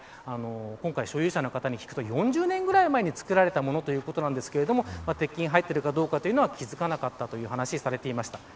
今回所有者の方に聞くと４０年ぐらい前に作られたものということですが鉄筋が入っているかどうかは気付かなかったという話をされていました。